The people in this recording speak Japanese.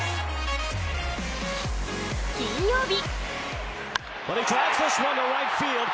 金曜日。